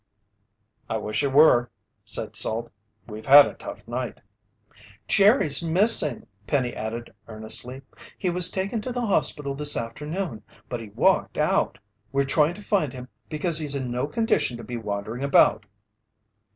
"I wish it were," said Salt. "We've had a tough night." "Jerry's missing," Penny added earnestly. "He was taken to the hospital this afternoon, but he walked out. We're trying to find him because he's in no condition to be wandering about."